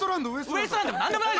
ウエストランドでも何でもない。